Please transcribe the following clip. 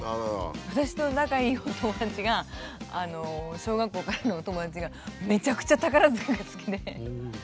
私と仲いいお友達が小学校からのお友達がめちゃくちゃ宝塚が好きで。